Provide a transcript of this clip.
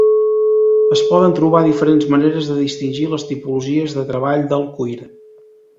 Es poden trobar diferents maneres de distingir les tipologies de treball del cuir.